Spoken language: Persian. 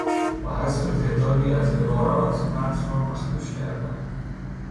با حذف تعدادی از عبارات، متن را مخدوش کردهاند.